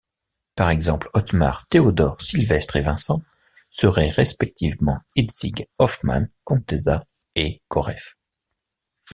Par exemple, Ottmar, Théodore, Sylvestre et Vincent seraient respectivement Hitzig, Hoffmann, Contessa et Koreff.